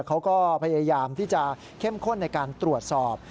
เขาก็พยายามที่จะเข้มข้นในการตรวจสอบ